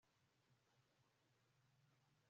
bazashyirwa mu bigo by'ingenzi by'umwami